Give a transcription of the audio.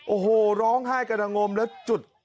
โอ้โหร้องไห้กระดังงมแล้วจุด